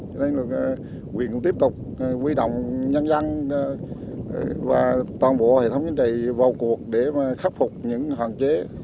cho nên là huyện cũng tiếp tục quy động nhân dân và toàn bộ hệ thống chính trị vào cuộc để mà khắc phục những hoàn chế